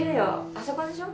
あそこでしょ？